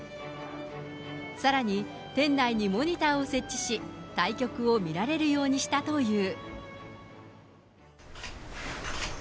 さらに店内にモニターを設置し、対局を見られるようにしたという。